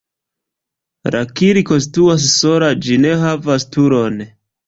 La kirko situas sola, ĝi ne havas turon.